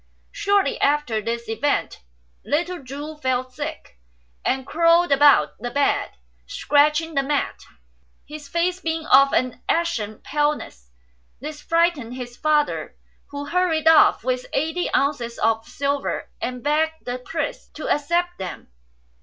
Shortly after these events little Chu fell sick, and crawled about the bed scratching the mat, his face being of an ashen paleness. This frightened his father, who hurried off with eighty ounces of silver, and begged the priest to accept them.